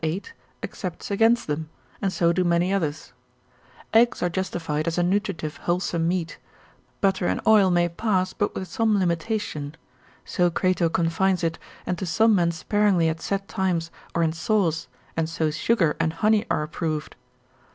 excepts against them, and so do many others; eggs are justified as a nutritive wholesome meat, butter and oil may pass, but with some limitation; so Crato confines it, and to some men sparingly at set times, or in sauce, and so sugar and honey are approved.